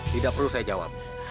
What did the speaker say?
tidak perlu saya jawab